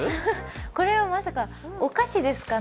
これはまさか、お菓子ですかね。